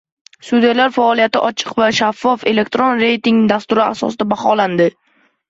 Sudyalar faoliyati ochiq va shaffof elektron reyting dasturi asosida baholanadi